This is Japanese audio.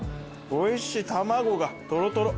おいしい卵がトロトロ。